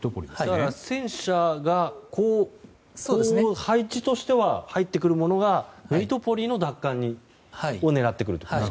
戦車が配置としては入ってくるものがメリトポリの奪還を狙ってくると。